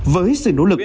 với sự nỗ lực